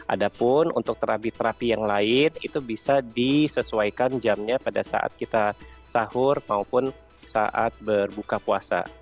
ada pun untuk terapi terapi yang lain itu bisa disesuaikan jamnya pada saat kita sahur maupun saat berbuka puasa